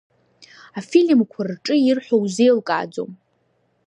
Афильмқәа рҿы ирҳәо узеилкааӡом.